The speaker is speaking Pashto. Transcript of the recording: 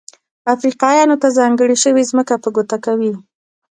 افریقایانو ته ځانګړې شوې ځمکه په ګوته کوي.